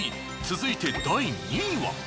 続いて第２位は。